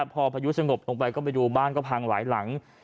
พอพายุสงบลงไปก็ไปดูบ้านก็พังหลายหลัง